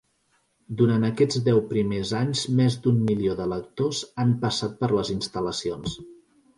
Durant aquests deu primers anys més d'un milió de lectors han passat per les instal·lacions.